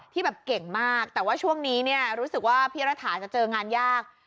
ที่แบบเก่งมากแต่ว่าช่วงนี้เนี่ยรู้สึกว่าพี่รัฐาจะเจองานยาก